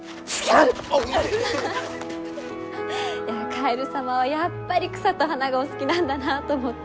カエル様はやっぱり草と花がお好きなんだなと思って。